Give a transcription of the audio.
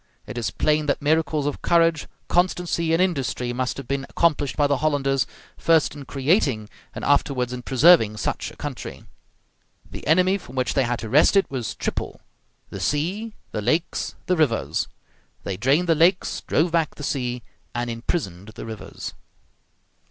It is plain that miracles of courage, constancy, and industry must have been accomplished by the Hollanders, first in creating and afterwards in preserving such a country. The enemy from which they had to wrest it was triple: the sea, the lakes, the rivers. They drained the lakes, drove back the sea, and imprisoned the rivers.